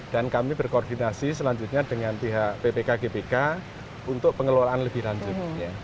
dan kami berkoordinasi selanjutnya dengan pihak ppk gbk untuk pengelolaan lebih lanjut